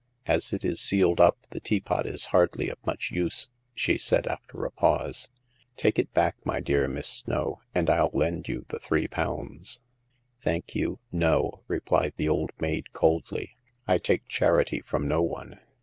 " As it is sealed up, the teapot is hardly of much use," she said, after a pause. Take it back, my dear Miss Snow, and 111 lend you the three pounds." Thank you, no," replied the old maid, coldly. " I take charity from no one.